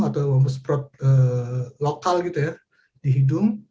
atau obat semprot lokal gitu ya di hidung